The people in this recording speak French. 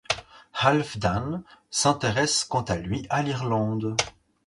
Halfdan s'intéresse quant à lui à l'Irlande.